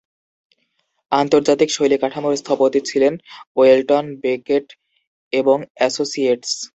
আন্তর্জাতিক শৈলী কাঠামোর স্থপতি ছিলেন ওয়েলটন বেকেট এবং অ্যাসোসিয়েটস।